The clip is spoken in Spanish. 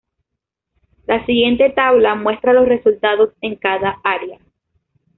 La siguiente tabla muestra los resultados en cada área.